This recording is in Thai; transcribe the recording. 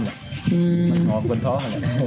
มันหอมกว่าเธอค่ะ